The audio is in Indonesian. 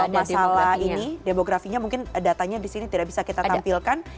masalah ini demografinya mungkin datanya disini tidak bisa kita tampilkan